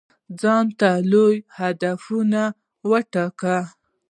ځانته لوی هدفونه وټاکئ.